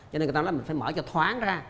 cho nên người ta nói là mình phải mở cho thoáng ra